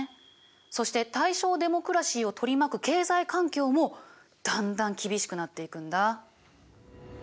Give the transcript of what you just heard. そして大正デモクラシーを取り巻く経済環境もだんだん厳しくなっていくんだ。